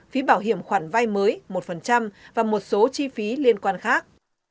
phí bảo hiểm khoản vay mới một và một số chi phí liên quan khác